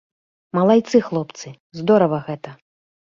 Малайцы, хлопцы, здорава гэта.